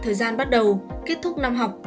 thời gian bắt đầu kết thúc năm học